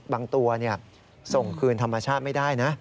บางตัวส่งคืนธรรมชาติไม่ได้นะ